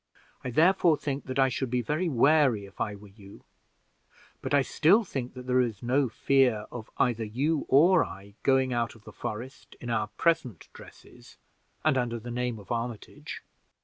I therefore think that I should be very wary if I were you; but I still think that there is no fear of either you or I going out of the forest, in our present dresses and under the name of Armitage.